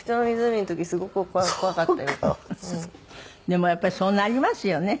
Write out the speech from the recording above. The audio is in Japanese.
でもやっぱりそうなりますよね。